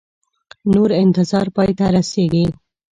نور انتظار پای ته رسیږي